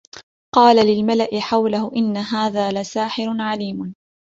قَالَ لِلْمَلَإِ حَوْلَهُ إِنَّ هَذَا لَسَاحِرٌ عَلِيمٌ